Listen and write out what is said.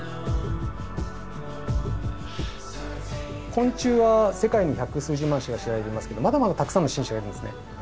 昆虫は世界に百数十万種が知られていますけどまだまだたくさんの新種がいるんですね。